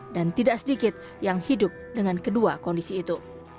dan tidak sedikit yang hidup dengan kedua kondisi itu